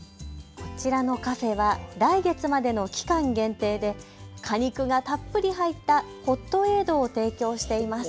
こちらのカフェは来月までの期間限定で果肉がたっぷり入ったホットエードを提供しています。